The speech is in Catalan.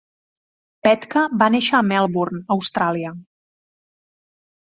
Pletka va néixer a Melbourne, Austràlia.